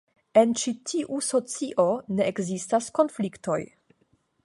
En ĉi tiu socio ne ekzistas konfliktoj.